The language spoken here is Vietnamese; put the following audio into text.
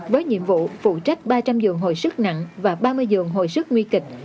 với nhiệm vụ phụ trách ba trăm linh giường hồi sức nặng và ba mươi giường hồi sức nguy kịch